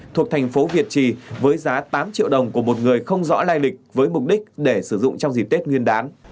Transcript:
thuộc thành phố việt trì với giá tám triệu đồng của một người không rõ lai lịch với mục đích để sử dụng trong dịp tết nguyên đán